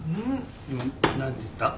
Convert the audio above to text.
今何て言った？